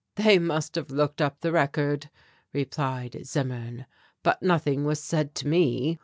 "They must have looked up the record," replied Zimmern, "but nothing was said to me.